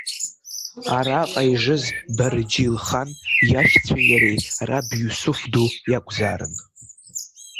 Араҟа ижыз Барџьил-хан иашьцәеи иареи раб Иусуф ду иакәзаарын.